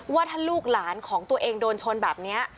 ว่าถ้าลูกหลานของตัวเองโดนชนแบบนี้